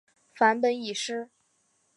梵本已失。